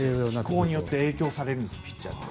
気候によって影響されるんですピッチャーは。